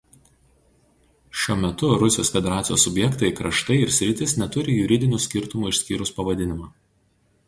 Šiuo metu Rusijos Federacijos subjektai kraštai ir sritys neturi juridinių skirtumų išskyrus pavadinimą.